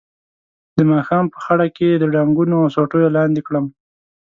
د ماښام په خړه کې یې د ډانګونو او سوټیو لاندې کړ.